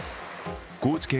高知県